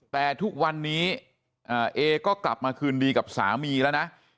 แต่ทุกวันนี้เอก็กลับมาคืนดีกับสามีแล้วนะ